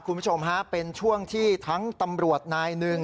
คุณผู้ชมฮะเป็นช่วงที่ทั้งตำรวจนายหนึ่ง